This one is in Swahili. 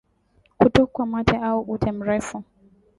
Kutokwa mate au ute mrefu